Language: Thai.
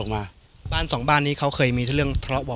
มันถือ